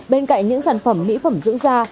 bên cạnh những sản phẩm mỹ phẩm dưỡng da